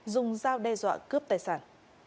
dùng dao đe dọa cướp tài sản